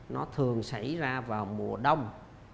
nó thường xảy ra vào mùa đông